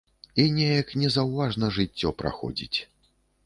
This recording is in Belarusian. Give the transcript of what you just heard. І неяк незаўважна жыццё праходзіць.